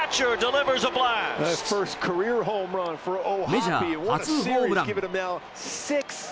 メジャー初ホームラン。